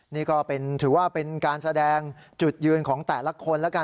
นี่ก็ถือว่าเป็นการแสดงจุดยืนของแต่ละคนแล้วกัน